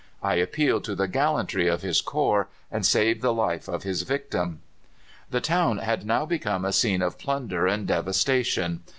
I appealed to the gallantry of his corps, and saved the life of his victim." The town had now become a scene of plunder and devastation.